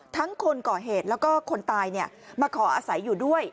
คนก่อเหตุแล้วก็คนตายมาขออาศัยอยู่ด้วย